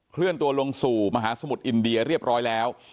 เลื่อนตัวลงสู่มหาสมุทรอินเดียเรียบร้อยแล้ว